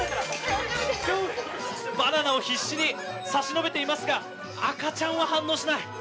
バナナを必死に差し伸べていますが赤ちゃんは反応しない。